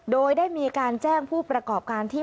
โดยได้มีการแจ้งผู้ประกอบการที่